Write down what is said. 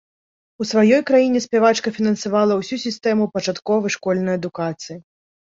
У сваёй краіне спявачка фінансавала ўсю сістэму пачатковай школьнай адукацыі.